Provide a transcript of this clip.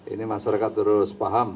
ini masyarakat terus paham